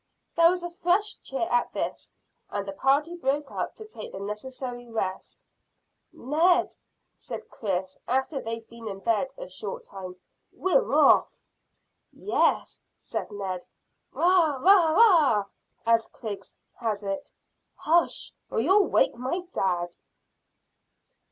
There was a fresh cheer at this, and the party broke up to take the necessary rest. "Ned," said Chris, after they had been in bed a short time, "we're off." "Yes," said Ned. "Bagh! Bagh! Bagh! as Griggs has it." "Hush, or you'll wake my dad."